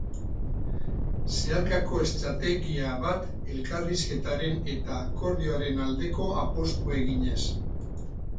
Zeharkako estrategia bat elkarrizketaren eta akordioaren aldeko apustua eginez.